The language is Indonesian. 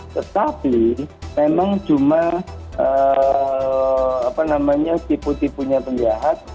tetapi memang cuma tipu tipunya penjahat